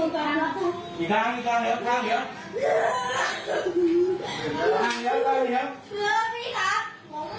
เดี๋ยว